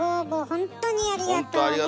ほんとありがとうございます。